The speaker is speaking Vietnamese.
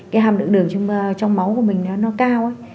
cái hàm lượng đường trong máu của mình nó cao ấy